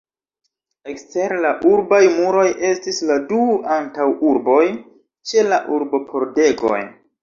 Ekster la urbaj muroj estis la du antaŭurboj ĉe la urb-pordegoj.